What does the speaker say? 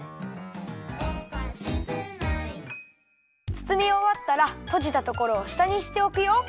つつみおわったらとじたところをしたにしておくよ。